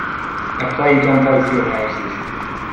A plague on both your houses